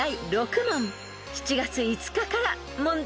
［７月５日から問題］